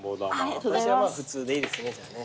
私はまあ普通でいいですねじゃあね。